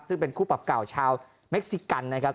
ซึ่งเป็นคู่ปรับเก่าชาวเม็กซิกันนะครับ